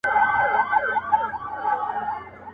انارکلي اوښکي دي مه تویوه.